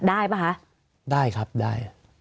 ป่ะคะได้ครับได้